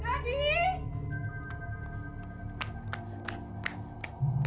kalau tidak aku akan membuat nama aku